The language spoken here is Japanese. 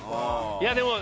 いやでも。